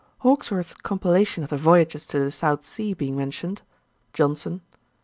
Hawkesworth's compilation of the voyages to the South Sea being mentioned; JOHNSON.